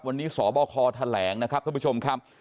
วันนี้สบคแถลงนะครับท่านผู้ชมครับ